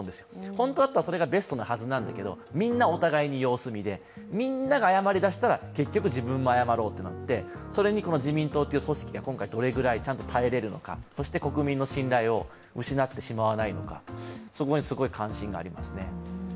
本当だったらそれがベストなはずなんだけど、みんなが様子見でみんなが謝りだしたら結局自分も謝ろうとなってそれにこの自民党という組織が今回どれくらい耐えられるのか、そして、国民の信頼を失ってしまわないのか、そこにすごい関心がありますね。